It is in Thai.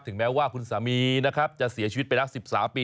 ถึงแม้ว่าคุณสามีจะเสียชีวิตไปละ๑๓ปี